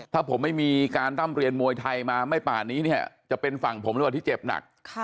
ถ้าผมไม่มีการร่ำเรียนมวยไทยมาไม่ป่านนี้เนี่ยจะเป็นฝั่งผมหรือเปล่าที่เจ็บหนัก